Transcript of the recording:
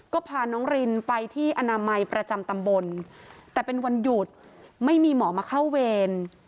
ก็พาน้องรินไปที่อนามัยประจำตำบลแต่เป็นวันหยุดไม่มีหมอมาเข้าเวร